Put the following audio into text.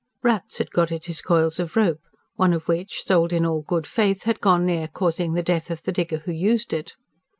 Rats had got at his coils of rope, one of which, sold in all good faith, had gone near causing the death of the digger who used it.